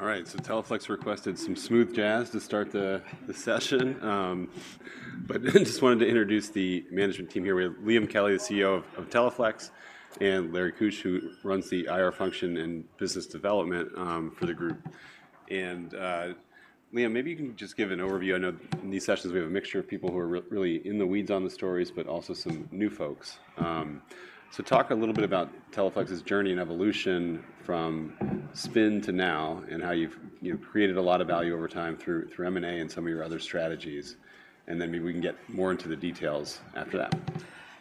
All right, so Teleflex requested some smooth jazz to start the session. But just wanted to introduce the management team here. We have Liam Kelly, the CEO of Teleflex, and Larry Keusch, who runs the IR function and business development for the group. And Liam, maybe you can just give an overview. I know in these sessions we have a mixture of people who are really in the weeds on the stories, but also some new folks. So talk a little bit about Teleflex's journey and evolution from spin to now, and how you've created a lot of value over time through M&A and some of your other strategies. And then maybe we can get more into the details after that.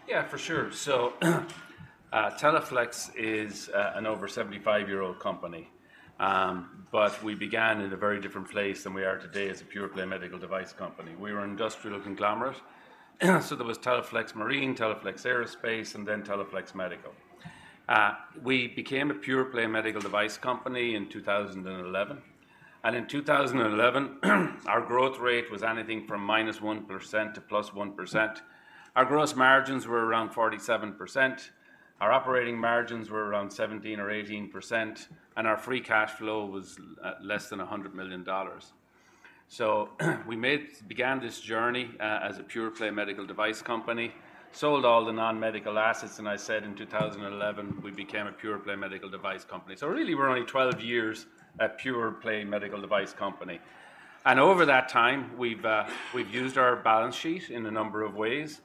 Yeah, for sure. So, Teleflex is an over 75-year-old company. But we began in a very different place than we are today as a pure-play medical device company. We were an industrial conglomerate. So there was Teleflex Marine, Teleflex Aerospace, and then Teleflex Medical. We became a pure-play medical device company in 2011, and in 2011, our growth rate was anything from -1% to +1%. Our gross margins were around 47%, our operating margins were around 17% or 18%, and our free cash flow was less than $100 million. So we began this journey as a pure-play medical device company, sold all the non-medical assets, and I said in 2011, we became a pure-play medical device company. So really, we're only 12 years a pure-play medical device company. And over that time, we've, we've used our balance sheet in a number of ways.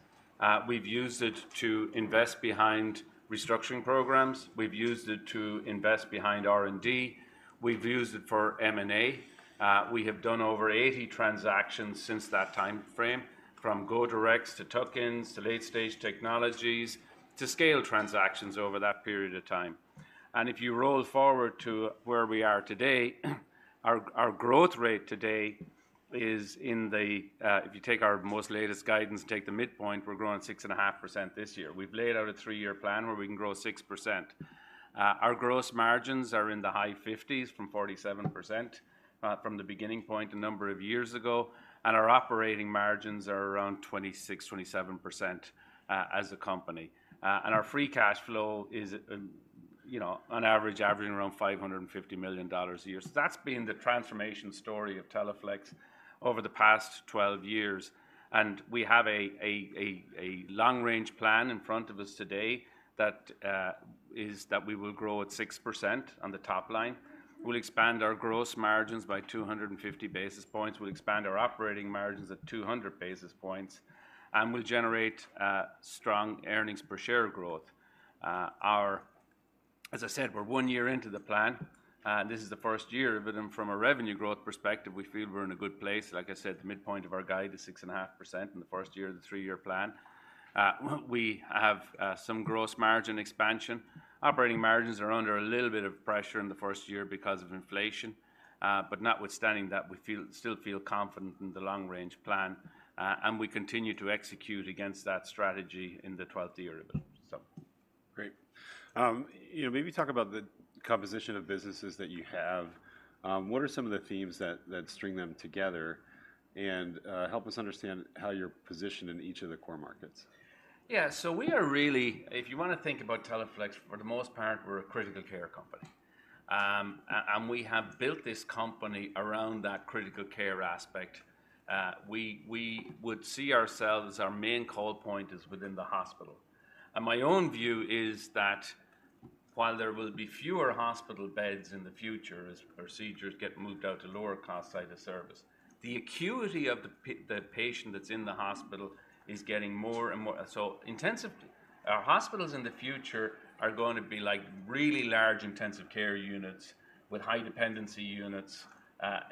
We've used it to invest behind restructuring programs, we've used it to invest behind R&D, we've used it for M&A. We have done over 80 transactions since that time frame, from go-directs to tuck-ins, to late-stage technologies, to scale transactions over that period of time. And if you roll forward to where we are today, our, our growth rate today is in the... If you take our most latest guidance and take the midpoint, we're growing 6.5% this year. We've laid out a 3-year plan where we can grow 6%. Our gross margins are in the high 50s% from 47%, from the beginning point a number of years ago, and our operating margins are around 26%-27%, as a company. And our free cash flow is, you know, on average, averaging around $550 million a year. So that's been the transformation story of Teleflex over the past 12 years, and we have a long-range plan in front of us today that is that we will grow at 6% on the top line. We'll expand our gross margins by 250 basis points. We'll expand our operating margins at 200 basis points, and we'll generate strong earnings per share growth. As I said, we're one year into the plan, and this is the first year, but then from a revenue growth perspective, we feel we're in a good place. Like I said, the midpoint of our guide is 6.5% in the first year of the three-year plan. We have some gross margin expansion. Operating margins are under a little bit of pressure in the first year because of inflation, but notwithstanding that, we still feel confident in the long-range plan, and we continue to execute against that strategy in the twelfth year of it. So... Great. You know, maybe talk about the composition of businesses that you have. What are some of the themes that string them together, and help us understand how you're positioned in each of the core markets? Yeah. So we are really if you wanna think about Teleflex, for the most part, we're a critical care company. And we have built this company around that critical care aspect. We would see ourselves, our main call point is within the hospital. And my own view is that while there will be fewer hospital beds in the future as procedures get moved out to lower cost site of service, the acuity of the patient that's in the hospital is getting more and more so intensive. Hospitals in the future are going to be like really large intensive care units with high dependency units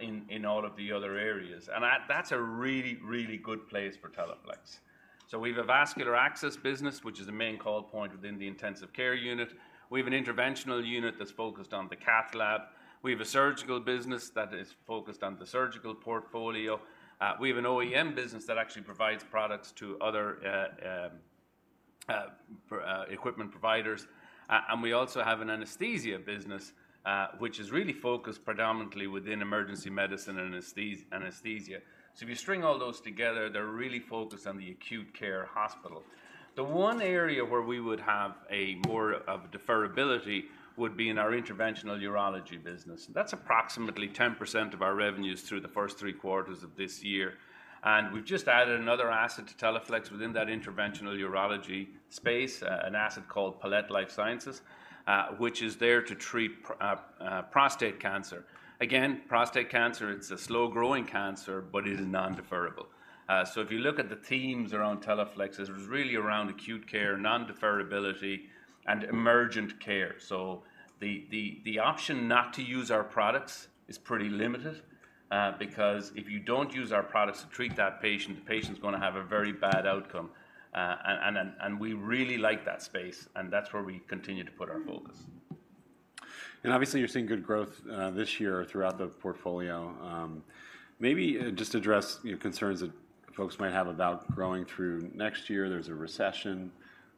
in all of the other areas. And that's a really, really good place for Teleflex. So we have a vascular access business, which is the main call point within the intensive care unit. We have an interventional unit that's focused on the cath lab. We have a surgical business that is focused on the surgical portfolio. We have an OEM business that actually provides products to other equipment providers. And we also have an anesthesia business, which is really focused predominantly within emergency medicine and anesthesia. So if you string all those together, they're really focused on the acute care hospital. The one area where we would have a more of deferrability would be in our interventional urology business. That's approximately 10% of our revenues through the first three quarters of this year. And we've just added another asset to Teleflex within that interventional urology space, an asset called Palette Life Sciences, which is there to treat prostate cancer. Again, prostate cancer, it's a slow-growing cancer, but it is non-deferrable. So if you look at the themes around Teleflex, it's really around acute care, non-deferrability, and emergent care. So the option not to use our products is pretty limited, because if you don't use our products to treat that patient, the patient's gonna have a very bad outcome. And we really like that space, and that's where we continue to put our focus. And obviously, you're seeing good growth this year throughout the portfolio. Maybe just address, you know, concerns that folks might have about growing through next year. There's a recession,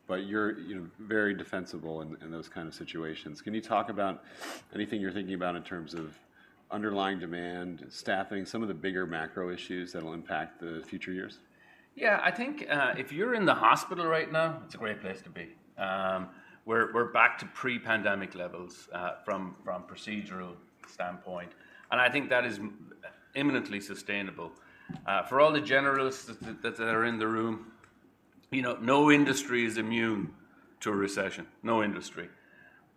but you're, you know, very defensible in those kind of situations. Can you talk about anything you're thinking about in terms of underlying demand, staffing, some of the bigger macro issues that will impact the future years? Yeah. I think, if you're in the hospital right now, it's a great place to be. We're back to pre-pandemic levels from procedural standpoint, and I think that is imminently sustainable. For all the generalists that are in the room, you know, no industry is immune to a recession, no industry.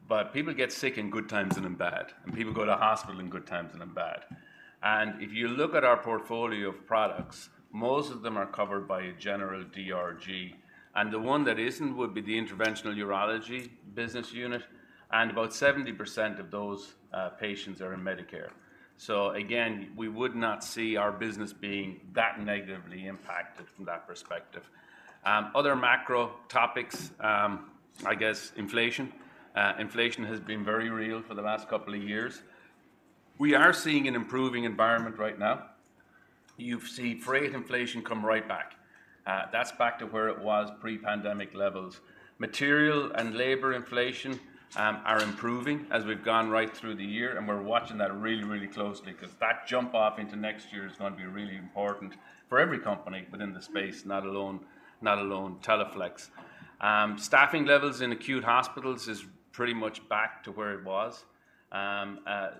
But people get sick in good times and in bad, and people go to hospital in good times and in bad. And if you look at our portfolio of products, most of them are covered by a general DRG, and the one that isn't would be the interventional urology business unit, and about 70% of those patients are in Medicare. So again, we would not see our business being that negatively impacted from that perspective. Other macro topics, I guess inflation. Inflation has been very real for the last couple of years. We are seeing an improving environment right now. You've seen freight inflation come right back. That's back to where it was pre-pandemic levels. Material and labor inflation are improving as we've gone right through the year, and we're watching that really, really closely, 'cause that jump off into next year is gonna be really important for every company within the space, not alone, not alone, Teleflex. Staffing levels in acute hospitals is pretty much back to where it was.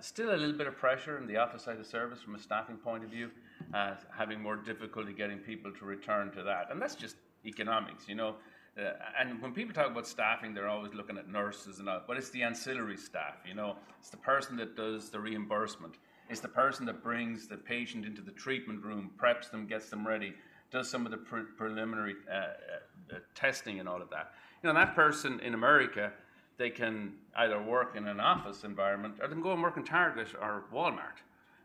Still a little bit of pressure on the office site of service from a staffing point of view, having more difficulty getting people to return to that. And that's just economics, you know? And when people talk about staffing, they're always looking at nurses and all, but it's the ancillary staff, you know? It's the person that does the reimbursement. It's the person that brings the patient into the treatment room, preps them, gets them ready, does some of the preliminary testing and all of that. You know, that person in America, they can either work in an office environment or they can go and work in Target or Walmart.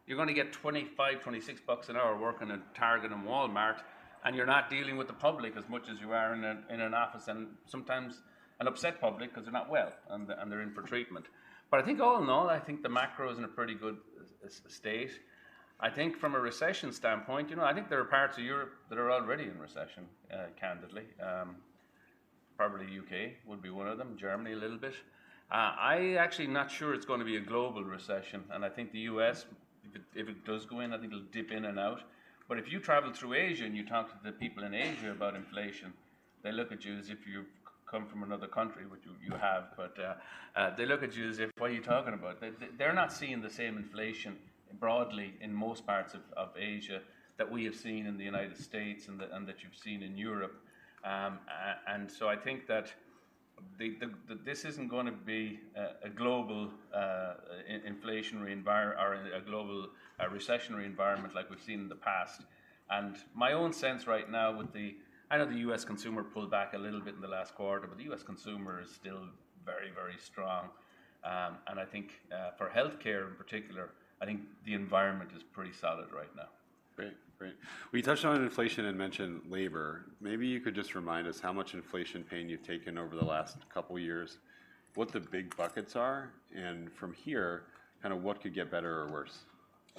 You're gonna get $25-$26 an hour working in Target and Walmart, and you're not dealing with the public as much as you are in an office, and sometimes an upset public 'cause they're not well, and they're in for treatment. But I think all in all, I think the macro is in a pretty good state. I think from a recession standpoint, you know, I think there are parts of Europe that are already in recession, candidly. Probably UK would be one of them, Germany, a little bit. I actually not sure it's gonna be a global recession, and I think the US, if it does go in, I think it'll dip in and out. But if you travel through Asia and you talk to the people in Asia about inflation, they look at you as if you come from another country, which you have. But they look at you as if, "What are you talking about?" They're not seeing the same inflation broadly in most parts of Asia that we have seen in the United States and that you've seen in Europe. And so I think that the... This isn't gonna be a global inflationary environment or a global recessionary environment like we've seen in the past. And my own sense right now with the—I know the U.S. consumer pulled back a little bit in the last quarter, but the U.S. consumer is still very, very strong. And I think, for healthcare in particular, I think the environment is pretty solid right now. Great. Great. We touched on inflation and mentioned labor. Maybe you could just remind us how much inflation pain you've taken over the last couple of years, what the big buckets are, and from here, kind of what could get better or worse?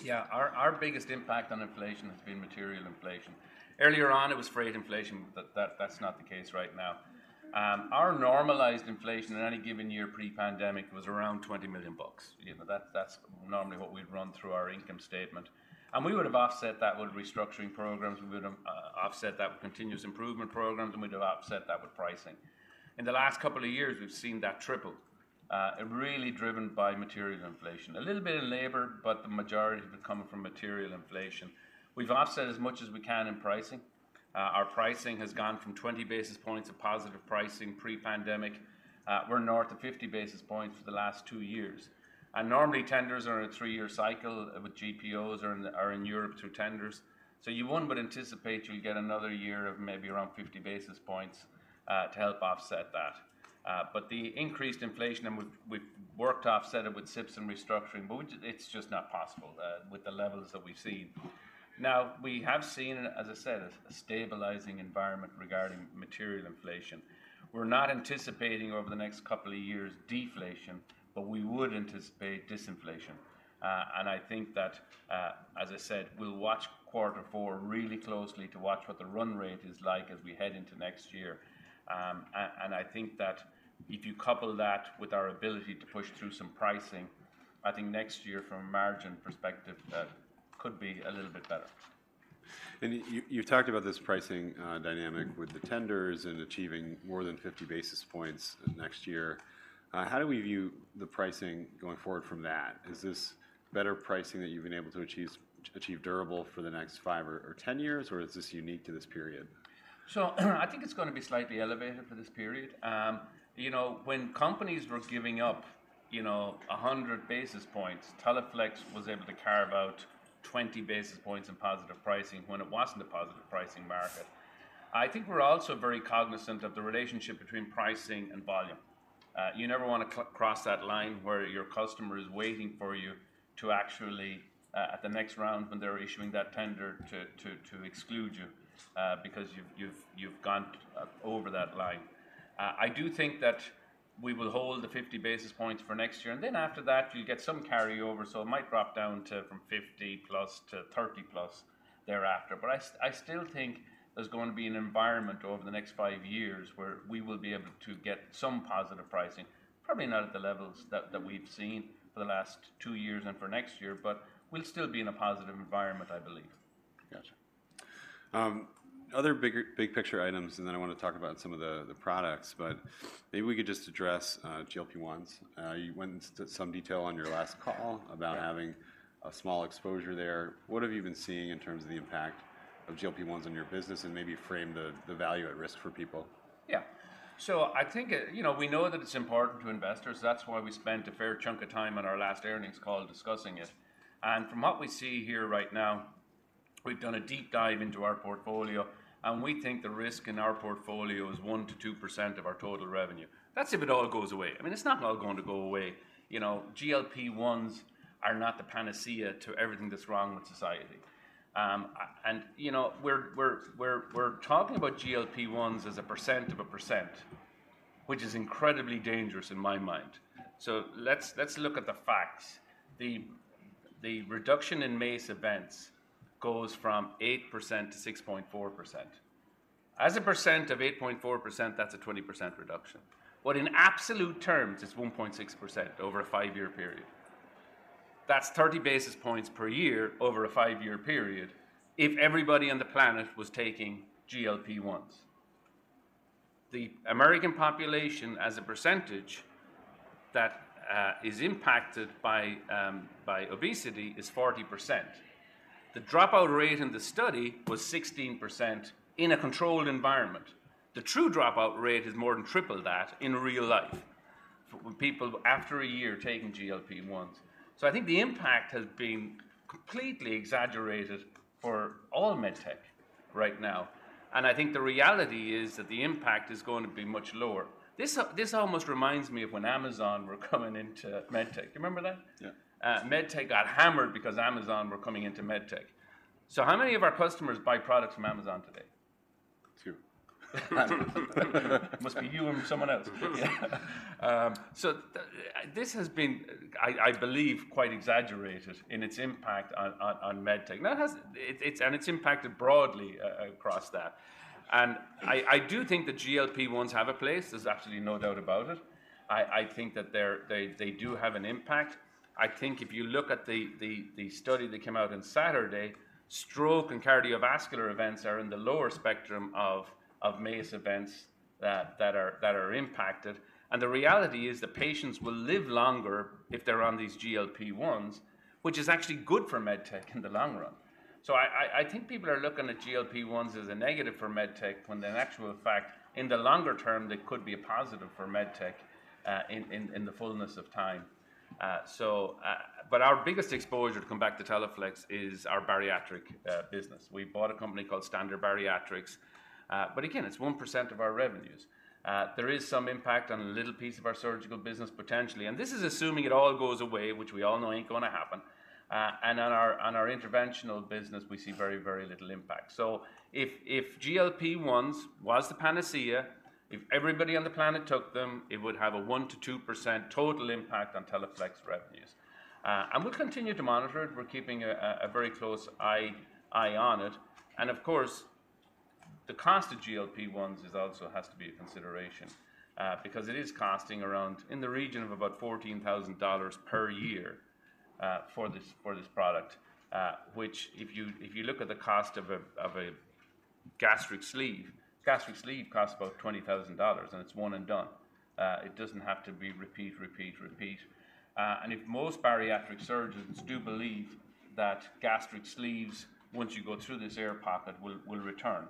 Yeah. Our biggest impact on inflation has been material inflation. Earlier on, it was freight inflation, but that's not the case right now. Our normalized inflation in any given year, pre-pandemic, was around $20 million. You know, that's normally what we'd run through our income statement. And we would have offset that with restructuring programs, we would offset that with continuous improvement programs, and we'd have offset that with pricing. In the last couple of years, we've seen that triple and really driven by material inflation. A little bit in labor, but the majority have been coming from material inflation. We've offset as much as we can in pricing. Our pricing has gone from 20 basis points of positive pricing pre-pandemic, we're north of 50 basis points for the last two years. Normally, tenders are in a three-year cycle with GPOs or in Europe through tenders. So one would anticipate you'll get another year of maybe around 50 basis points to help offset that. But the increased inflation and we've worked to offset it with CIPs and restructuring, but it's just not possible with the levels that we've seen. Now, we have seen, as I said, a stabilizing environment regarding material inflation. We're not anticipating over the next couple of years deflation, but we would anticipate disinflation. And I think that, as I said, we'll watch quarter four really closely to watch what the run rate is like as we head into next year. I think that if you couple that with our ability to push through some pricing, I think next year from a margin perspective, could be a little bit better. You talked about this pricing dynamic with the tenders and achieving more than 50 basis points next year. How do we view the pricing going forward from that? Is this better pricing that you've been able to achieve durable for the next five or 10 years, or is this unique to this period? So, I think it's gonna be slightly elevated for this period. You know, when companies were giving up, you know, 100 basis points, Teleflex was able to carve out 20 basis points in positive pricing when it wasn't a positive pricing market. I think we're also very cognizant of the relationship between pricing and volume. You never wanna cross that line where your customer is waiting for you to actually, at the next round, when they're issuing that tender to exclude you, because you've gone over that line. I do think that we will hold the 50 basis points for next year, and then after that, you'll get some carryover, so it might drop down from 50+ to 30+ thereafter. I still think there's going to be an environment over the next five years where we will be able to get some positive pricing, probably not at the levels that, that we've seen for the last two years and for next year, but we'll still be in a positive environment, I believe. Gotcha. Other bigger, big picture items, and then I want to talk about some of the products, but maybe we could just address GLP-1s. You went into some detail on your last call about- Yeah. Having a small exposure there. What have you been seeing in terms of the impact of GLP-1s on your business, and maybe frame the value at risk for people? Yeah. So I think it, you know, we know that it's important to investors. That's why we spent a fair chunk of time on our last earnings call discussing it. And from what we see here right now, we've done a deep dive into our portfolio, and we think the risk in our portfolio is 1%-2% of our total revenue. That's if it all goes away. I mean, it's not all going to go away. You know, GLP-1s are not the panacea to everything that's wrong with society. And, you know, we're talking about GLP-1s as a percent of a percent, which is incredibly dangerous in my mind. So let's look at the facts. The reduction in MACE events goes from 8% to 6.4%. As a percent of 8.4%, that's a 20% reduction. But in absolute terms, it's 1.6% over a 5-year period. That's 30 basis points per year over a 5-year period if everybody on the planet was taking GLP-1s. The American population, as a percentage that is impacted by obesity, is 40%. The dropout rate in the study was 16% in a controlled environment. The true dropout rate is more than triple that in real life, for when people after a year taking GLP-1s. So I think the impact has been completely exaggerated for all med tech right now, and I think the reality is that the impact is going to be much lower. This almost reminds me of when Amazon were coming into med tech. You remember that? Yeah. Med tech got hammered because Amazon were coming into med tech. So how many of our customers buy products from Amazon today? Two. It must be you and someone else. Yeah. So this has been, I, I believe, quite exaggerated in its impact on, on, on med tech. Now, it has. It's, and it's impacted broadly across that. And I, I do think the GLP-1s have a place. There's absolutely no doubt about it. I, I think that they're. They, they do have an impact. I think if you look at the, the, the study that came out on Saturday, stroke and cardiovascular events are in the lower spectrum of, of MACE events that, that are, that are impacted. And the reality is that patients will live longer if they're on these GLP-1s, which is actually good for med tech in the long run. So I think people are looking at GLP-1s as a negative for med tech, when in actual fact, in the longer term, they could be a positive for med tech, in the fullness of time. So, but our biggest exposure, to come back to Teleflex, is our bariatric business. We bought a company called Standard Bariatrics. But again, it's 1% of our revenues. There is some impact on a little piece of our surgical business, potentially, and this is assuming it all goes away, which we all know ain't gonna happen. And on our interventional business, we see very, very little impact. So if GLP-1s was the panacea, if everybody on the planet took them, it would have a 1%-2% total impact on Teleflex revenues. And we'll continue to monitor it. We're keeping a very close eye on it. And of course, the cost of GLP-1s is also has to be a consideration, because it is costing around, in the region of about $14,000 per year, for this product. Which if you look at the cost of a gastric sleeve, gastric sleeve costs about $20,000, and it's one and done. It doesn't have to be repeat, repeat, repeat. And if most bariatric surgeons do believe that gastric sleeves, once you go through this air pocket, will return.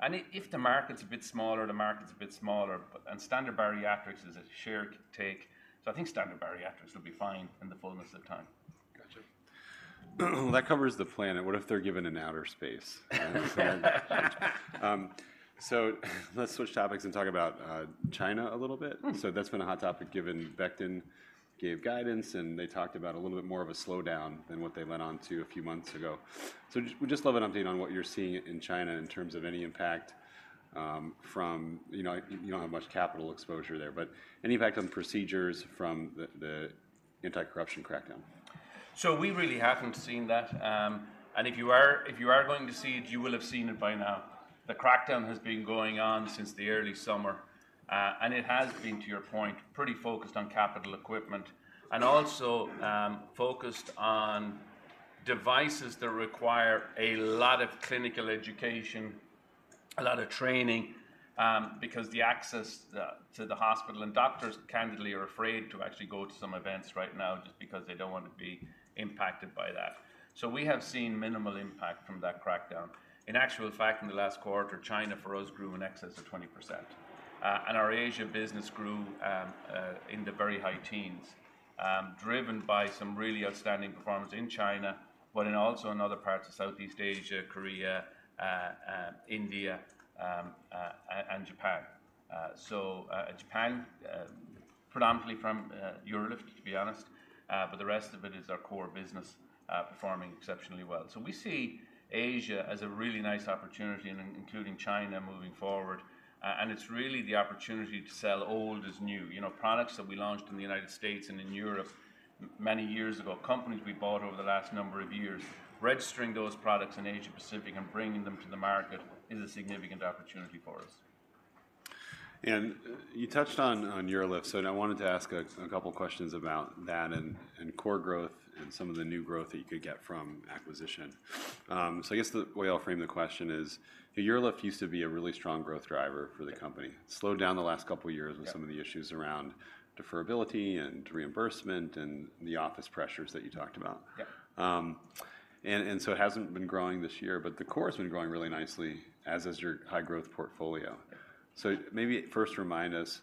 And if the market's a bit smaller, the market's a bit smaller, and Standard Bariatrics is a share take. So I think Standard Bariatrics will be fine in the fullness of time. Gotcha. That covers the planet. What if they're given an outer space? So let's switch topics and talk about China a little bit. Mm. So that's been a hot topic, given Becton gave guidance, and they talked about a little bit more of a slowdown than what they went on to a few months ago. So we'd just love an update on what you're seeing in China in terms of any impact from... You know, you don't have much capital exposure there, but any impact on procedures from the anti-corruption crackdown? So we really haven't seen that. And if you are going to see it, you will have seen it by now. The crackdown has been going on since the early summer, and it has been, to your point, pretty focused on capital equipment, and also, focused on devices that require a lot of clinical education, a lot of training, because the access to the hospital and doctors, candidly, are afraid to actually go to some events right now just because they don't want to be impacted by that. So we have seen minimal impact from that crackdown. In actual fact, in the last quarter, China, for us, grew in excess of 20%. And our Asia business grew in the very high teens, driven by some really outstanding performance in China, but also in other parts of Southeast Asia, Korea, India, and Japan. So, Japan predominantly from Europe, to be honest, but the rest of it is our core business performing exceptionally well. So we see Asia as a really nice opportunity, including China, moving forward. And it's really the opportunity to sell old as new. You know, products that we launched in the United States and in Europe many years ago, companies we bought over the last number of years, registering those products in Asia Pacific and bringing them to the market is a significant opportunity for us.... And you touched on UroLift, so now I wanted to ask a couple questions about that and core growth and some of the new growth that you could get from acquisition. So I guess the way I'll frame the question is: UroLift used to be a really strong growth driver for the company. Yeah. It slowed down the last couple of years- Yeah. with some of the issues around deferrability and reimbursement and the office pressures that you talked about. Yeah. So it hasn't been growing this year, but the core has been growing really nicely, as is your high-growth portfolio. Yeah. Maybe first remind us,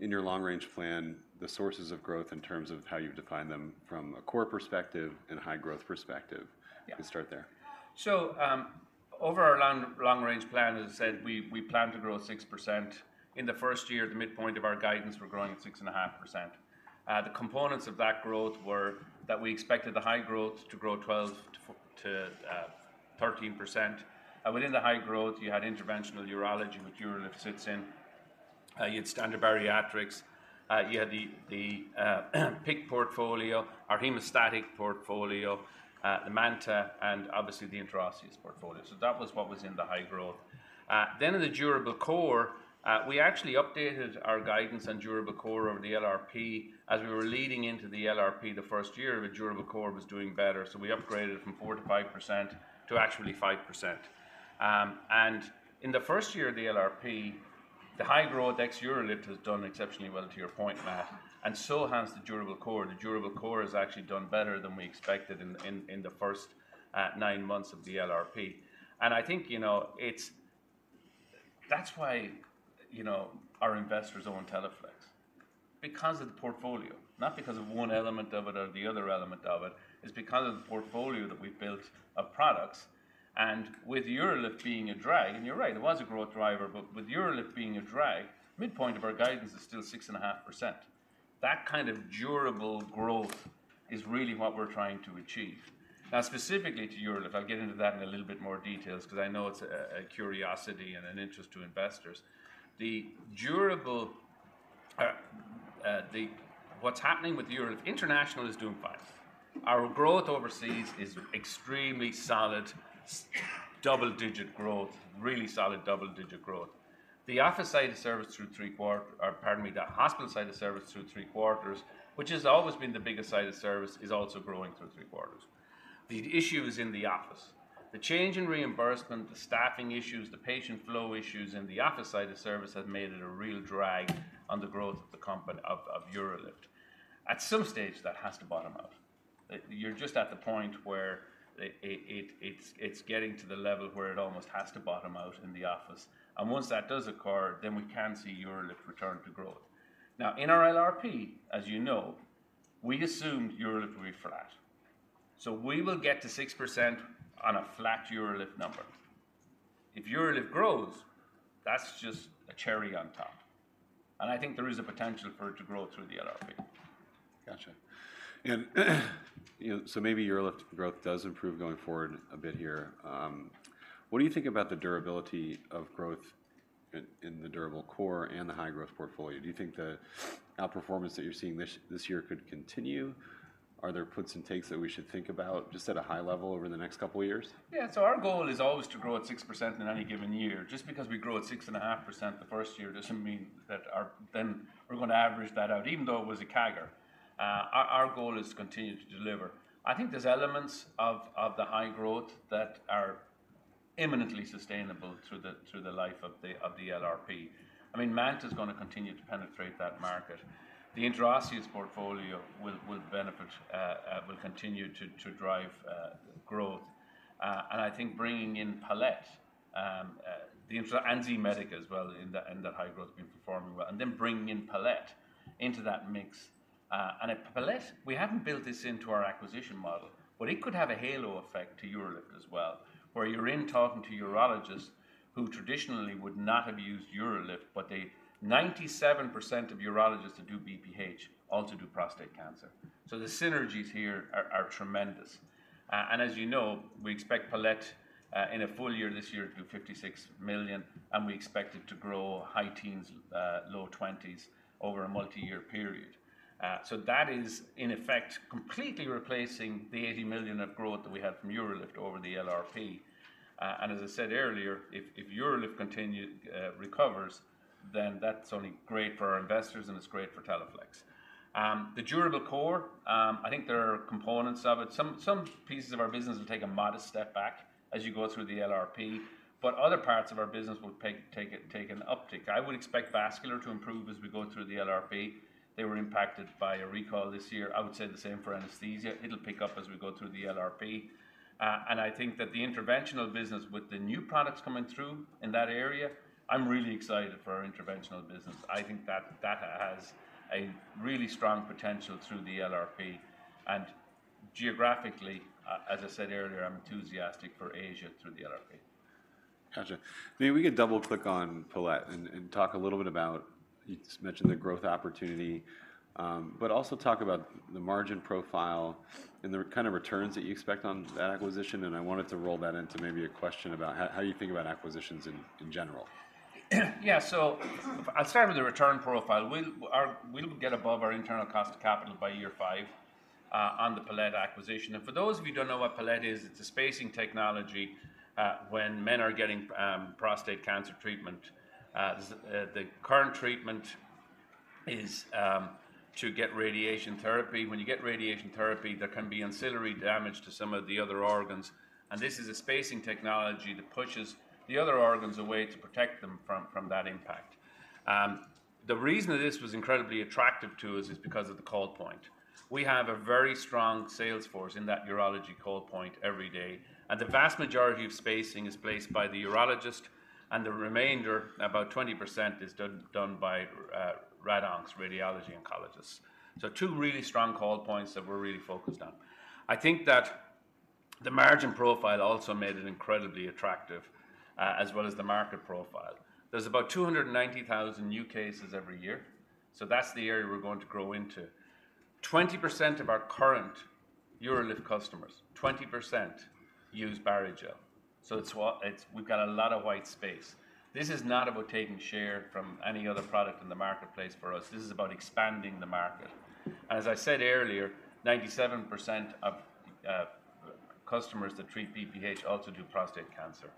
in your long-range plan, the sources of growth in terms of how you define them from a core perspective and a high-growth perspective. Yeah. You can start there. Over our long-range plan, as I said, we plan to grow 6%. In the first year, the midpoint of our guidance, we're growing at 6.5%. The components of that growth were that we expected the high growth to grow 12%-13%. And within the high growth, you had interventional urology, which UroLift sits in. You had Standard Bariatrics, you had the PICC portfolio, our hemostatic portfolio, the MANTA, and obviously the intraosseous portfolio. So that was what was in the high growth. Then in the durable core, we actually updated our guidance on durable core over the LRP. As we were leading into the LRP, the first year of it, durable core was doing better, so we upgraded from 4%-5% to actually 5%. And in the first year of the LRP, the high growth ex UroLift has done exceptionally well, to your point, Matt, and so has the durable core. The durable core has actually done better than we expected in the first nine months of the LRP. And I think, you know, it's, that's why, you know, our investors own Teleflex, because of the portfolio, not because of one element of it or the other element of it. It's because of the portfolio that we've built of products, and with UroLift being a drag, and you're right, it was a growth driver, but with UroLift being a drag, midpoint of our guidance is still 6.5%. That kind of durable growth is really what we're trying to achieve. Now, specifically to UroLift, I'll get into that in a little bit more details because I know it's a curiosity and an interest to investors. What's happening with UroLift, international is doing fine. Our growth overseas is extremely solid, double-digit growth, really solid double-digit growth. The office site of service through three quarters, or pardon me, the hospital site of service through three quarters, which has always been the biggest side of service, is also growing through three quarters. The issue is in the office. The change in reimbursement, the staffing issues, the patient flow issues in the office site of service has made it a real drag on the growth of the company, of UroLift. At some stage, that has to bottom out. You're just at the point where it's getting to the level where it almost has to bottom out in the office. And once that does occur, then we can see UroLift return to growth. Now, in our LRP, as you know, we assumed UroLift would be flat. So we will get to 6% on a flat UroLift number. If UroLift grows, that's just a cherry on top, and I think there is a potential for it to grow through the LRP. Gotcha. And, you know, so maybe UroLift growth does improve going forward a bit here. What do you think about the durability of growth in the durable core and the high-growth portfolio? Do you think the outperformance that you're seeing this year could continue? Are there puts and takes that we should think about, just at a high level, over the next couple of years? Yeah. So our goal is always to grow at 6% in any given year. Just because we grow at 6.5% the first year doesn't mean that our—then we're gonna average that out, even though it was a CAGR. Our goal is to continue to deliver. I think there's elements of the high growth that are imminently sustainable through the life of the LRP. I mean, MANTA is gonna continue to penetrate that market. The intraosseous portfolio will benefit, will continue to drive growth. And I think bringing in Palette and Z-Medica as well, in the high growth, have been performing well, and then bringing in Palette into that mix. And at Palette, we haven't built this into our acquisition model, but it could have a halo effect to UroLift as well, where you're in talking to urologists who traditionally would not have used UroLift, but they, 97% of urologists that do BPH also do prostate cancer. So the synergies here are tremendous. And as you know, we expect Palette, in a full year, this year, to do $56 million, and we expect it to grow high teens, low twenties over a multi-year period. So that is, in effect, completely replacing the $80 million of growth that we had from UroLift over the LRP. And as I said earlier, if UroLift continues, recovers, then that's only great for our investors, and it's great for Teleflex. The durable core, I think there are components of it. Some pieces of our business will take a modest step back as you go through the LRP, but other parts of our business will take an uptick. I would expect vascular to improve as we go through the LRP. They were impacted by a recall this year. I would say the same for anesthesia. It'll pick up as we go through the LRP. And I think that the interventional business with the new products coming through in that area, I'm really excited for our interventional business. I think that has a really strong potential through the LRP, and geographically, as I said earlier, I'm enthusiastic for Asia through the LRP. Gotcha. Maybe we could double-click on Palette and talk a little bit about... You just mentioned the growth opportunity, but also talk about the margin profile and the kind of returns that you expect on that acquisition, and I wanted to roll that into maybe a question about how you think about acquisitions in general. Yeah. So I'll start with the return profile. We'll get above our internal cost of capital by year five on the Palette acquisition. And for those of you who don't know what Palette is, it's a spacing technology when men are getting prostate cancer treatment. The current treatment is to get radiation therapy. When you get radiation therapy, there can be ancillary damage to some of the other organs, and this is a spacing technology that pushes the other organs away to protect them from that impact. The reason that this was incredibly attractive to us is because of the call point. We have a very strong sales force in that urology call point every day, and the vast majority of spacing is placed by the urologist, and the remainder, about 20%, is done by rad oncs, radiation oncologists. So two really strong call points that we're really focused on. I think that the margin profile also made it incredibly attractive, as well as the market profile. There's about 290,000 new cases every year, so that's the area we're going to grow into. 20% of our current UroLift customers, 20% use Barrigel. So it's—it's—we've got a lot of white space. This is not about taking share from any other product in the marketplace for us. This is about expanding the market. As I said earlier, 97% of customers that treat BPH also do prostate cancer.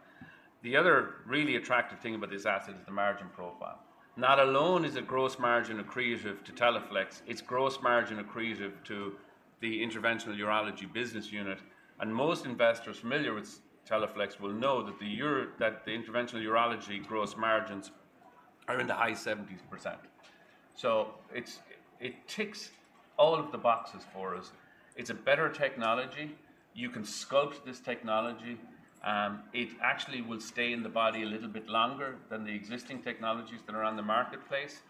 The other really attractive thing about this asset is the margin profile. Not only is it gross margin accretive to Teleflex, it's gross margin accretive to the interventional urology business unit, and most investors familiar with Teleflex will know that the interventional urology gross margins are in the high 70s%. So it ticks all of the boxes for us. It's a better technology. You can scope this technology. It actually will stay in the body a little bit longer than the existing technologies that are on the marketplace.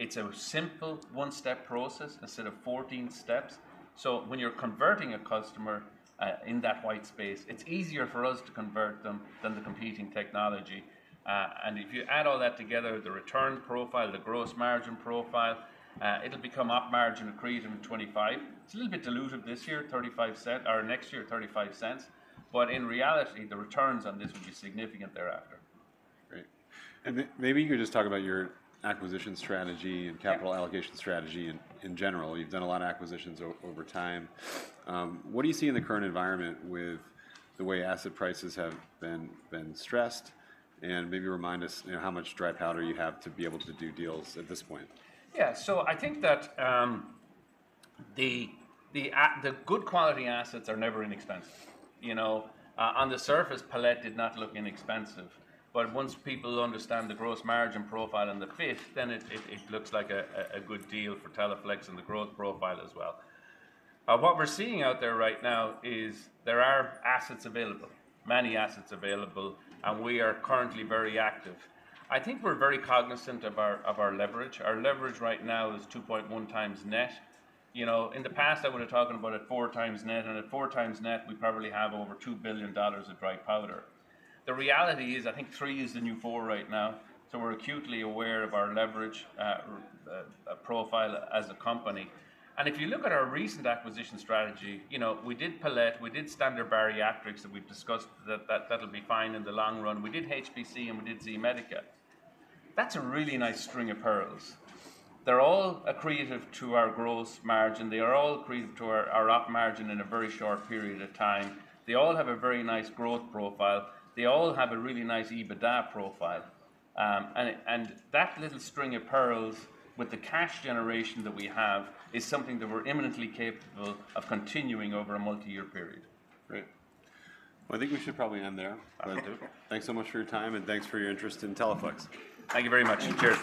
It's a simple one-step process instead of 14 steps. So when you're converting a customer in that white space, it's easier for us to convert them than the competing technology. And if you add all that together, the return profile, the gross margin profile, it'll become op margin accretive in 25. It's a little bit dilutive this year or next year, $0.35, but in reality, the returns on this will be significant thereafter. Great. Maybe you could just talk about your acquisition strategy and- Yeah... capital allocation strategy in general. You've done a lot of acquisitions over time. What do you see in the current environment with the way asset prices have been stressed? And maybe remind us, you know, how much dry powder you have to be able to do deals at this point. Yeah. So I think that the good quality assets are never inexpensive, you know. On the surface, Palette did not look inexpensive, but once people understand the gross margin profile and the fit, then it looks like a good deal for Teleflex and the growth profile as well. What we're seeing out there right now is there are assets available, many assets available, and we are currently very active. I think we're very cognizant of our leverage. Our leverage right now is 2.1x net. You know, in the past, I would have been talking about it 4x net, and at 4x net, we probably have over $2 billion of dry powder. The reality is, I think three is the new four right now, so we're acutely aware of our leverage profile as a company. And if you look at our recent acquisition strategy, you know, we did Palette, we did Standard Bariatrics, and we've discussed that that'll be fine in the long run. We did hemostasis, and we did Z-Medica. That's a really nice string of pearls. They're all accretive to our gross margin. They are all accretive to our op margin in a very short period of time. They all have a very nice growth profile. They all have a really nice EBITDA profile. And that little string of pearls with the cash generation that we have is something that we're imminently capable of continuing over a multi-year period. Great. Well, I think we should probably end there. Absolutely. Thanks so much for your time, and thanks for your interest in Teleflex. Thank you very much, and cheers.